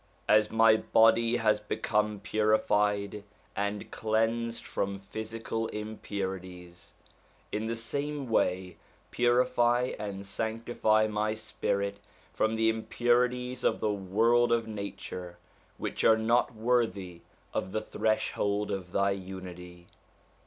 as my body has become purified and cleansed from physical impurities, in the same way purify and sanctify my spirit from the impurities of the world of nature, which are not worthy of the Threshold of Thy Unity